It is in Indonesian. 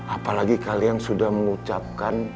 apalagi kalian sudah mengucapkan